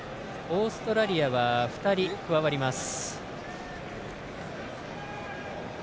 オーストラリアは２人、加わります。